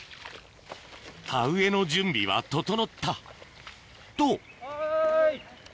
田植えの準備は整ったと・おい！